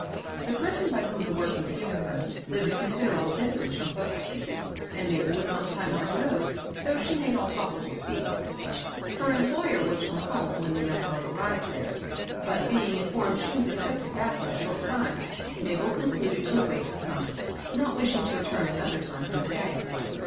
The person by whom the work was given her lived a considerable distance from Polk street, and Mabel was some time on the road, thoogh she made all possible speed. Her employer was from home when the young girl arrived there; but being informed she was expected back in a short time, Mabel concluded to await her coming, not wishing to return another time for the pay.